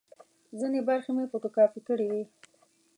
ځینې برخې مې فوټو کاپي کړې وې.